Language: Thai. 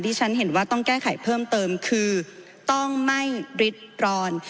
ที่ฉันเห็นว่าต้องแก้ไขเพิ่มเติมคือต้องไม่ริดร้อน